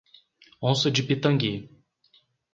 Onça de Pitangui